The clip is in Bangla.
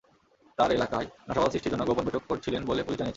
তাঁরা এলাকায় নাশকতা সৃষ্টির জন্য গোপন বৈঠক করছিলেন বলে পুলিশ জানিয়েছে।